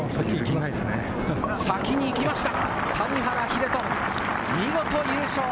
先に行きました！